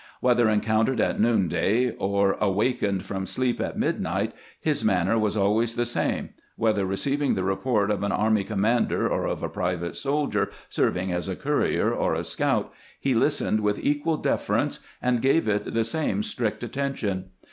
Whether encountered at noonday or awa kened from sleep at midnight, his manner was always the same; whether receiving the report of an army com mander or of a private soldier serving as a courier or a scout, he listened with equal deference and gave it the same strict attention.